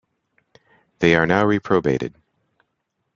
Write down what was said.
They are now reprobated.